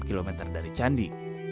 lima km dari candi